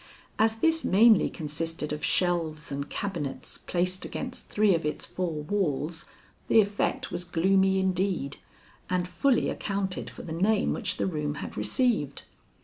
As this mainly consisted of shelves and cabinets placed against three of its four walls, the effect was gloomy indeed, and fully accounted for the name which the room had received.